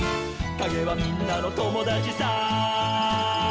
「かげはみんなのともだちさ」